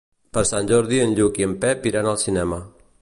Per Sant Jordi en Lluc i en Pep iran al cinema.